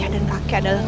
dan aku harap